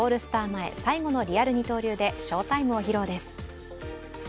前、最後のリアル二刀流で翔タイムを披露です。